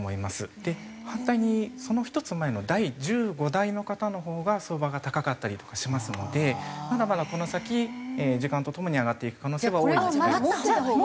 で反対にその１つ前の第十五代の方のほうが相場が高かったりとかしますのでまだまだこの先時間とともに上がっていく可能性は大いにあります。